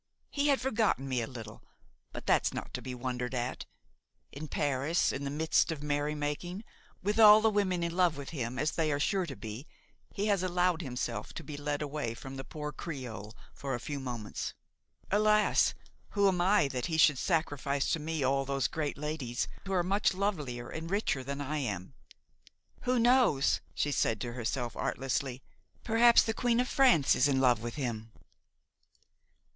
He had forgotten me a little, that's not to be wondered at; in Paris, in the midst of merry making, with all the women in love with him, as they are sure to be, he has allowed himself to be led away from the poor creole for a few moments. Alas! who am I that he should sacrifice to me all those great ladies who are much lovelier and richer than I am? Who knows," she said to herself artlessly, "perhaps the Queen of France is in love with him!"